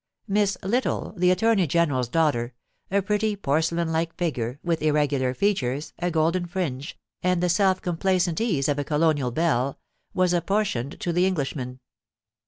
Miss Little, the Attorney General's daughter, a pretty, porcelain like figure, with irregular features, a golden fringe, and the self complacent ease of a colonial belle, was apportioned to the Englishman.